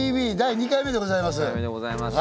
２回目でございます。